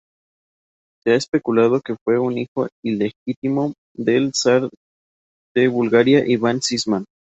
Se ha especulado que fue un hijo ilegítimo del zar de Bulgaria Iván Sisman.